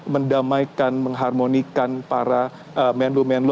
mendamaikan mengharmonikan para menlu menlu